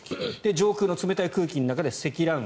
上空の冷たい空気の中に積乱雲